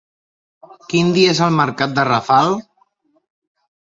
Quin dia és el mercat de Rafal?